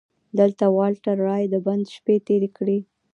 دلته والټر رالي د بند شپې تېرې کړې.